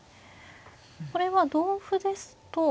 これは同歩ですと。